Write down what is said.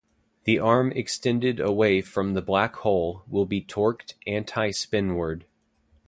The arm extended away from the black hole will be torqued anti-spinward.